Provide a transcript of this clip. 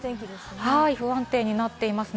不安定になっていますね。